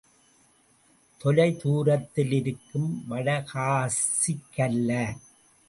தொலை தூரத்திலிருக்கும் வட காசிக்கல்ல.